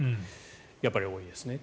やっぱり多いですね。